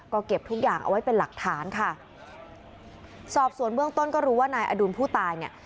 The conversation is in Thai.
ก็เก็บทุกอย่างเอาไว้เป็นหลักฐานค่ะสอบสวนเบื้องต้นก็รู้ว่านายอดุลผู้ตายเนี่ย